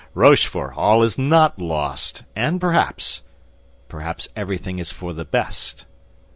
Rochefort, all is not lost; and perhaps—perhaps everything is for the best."